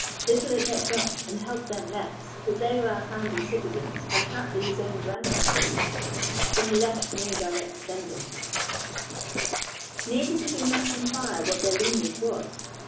Little it recked us and helped them less, that they were our founder's citizens, and haply his own grand nephews (for he left no direct descendants), neither did we much inquire what their lineage was.